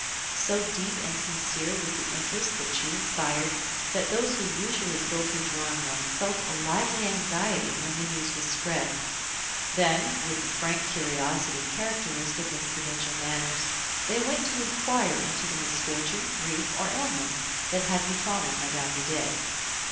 So deep and sincere was the interest that she inspired, that those who usually filled her drawing room felt a lively anxiety when the news was spread; then, with the frank curiosity characteristic of provincial manners, they went to inquire into the misfortune, grief, or illness that had befallen Mme. de Dey.